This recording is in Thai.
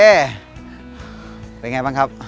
เป็นอย่างไรบ้างครับ